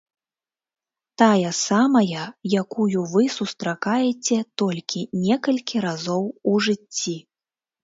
Тая самая, якую вы сустракаеце толькі некалькі разоў у жыцці.